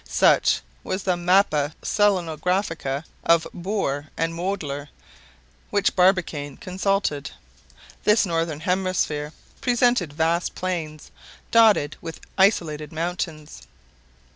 Such was the Mappa Selenographica of Boeer and Moedler which Barbicane consulted. This northern hemisphere presented vast plains, dotted with isolated mountains.